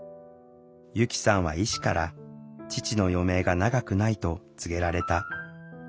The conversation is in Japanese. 由希さんは医師から父の余命が長くないと告げられた。